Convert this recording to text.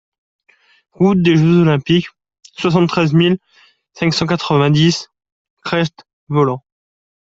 Route des Jeux Olympiques, soixante-treize mille cinq cent quatre-vingt-dix Crest-Voland